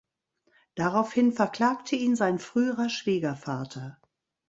Daraufhin verklagte ihn sein früherer Schwiegervater.